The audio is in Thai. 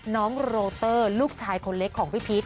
น้องโรเตอร์ลูกชายคนเล็กของพี่พีช